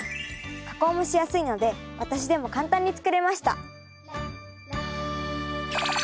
加工もしやすいので私でも簡単に作れました。